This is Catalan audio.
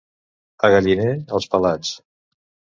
A Galliner, els pelats.